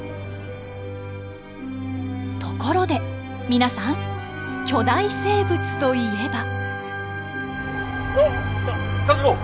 ところで皆さん巨大生物といえば。